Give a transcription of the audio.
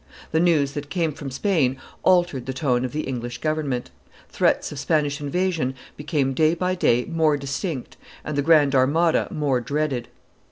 The news that came from Spain altered the tone of the English government; threats of Spanish invasion became day by day more distinct and the Grand Armada more dreaded.